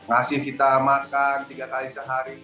ngasih kita makan tiga kali sehari